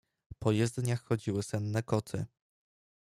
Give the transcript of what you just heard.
” Po jezdniach chodziły senne koty.